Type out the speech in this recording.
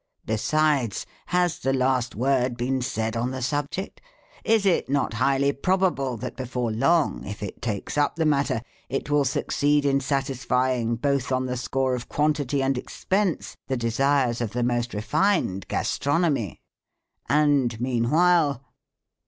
Besides, has the last word been said on the subject? Is it not highly probable that before long, if it takes up the matter, it will succeed in satisfying, both on the score of quantity and expense, the desires of the most refined gastronomy? And, meanwhile....